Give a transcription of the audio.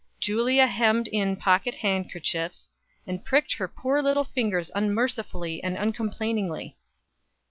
Julia hemmed pocket handkerchiefs, and pricked her poor little fingers unmercifully and uncomplainingly.